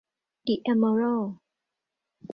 ดิเอมเมอรัลด์